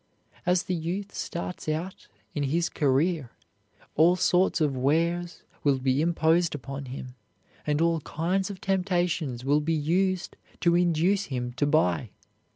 As the youth starts out in his career all sorts of wares will be imposed upon him and all kinds of temptations will be used to induce him to buy.